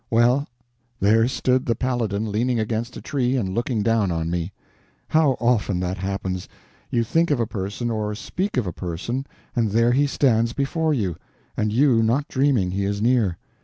Well, there stood the Paladin leaning against a tree and looking down on me! How often that happens; you think of a person, or speak of a person, and there he stands before you, and you not dreaming he is near.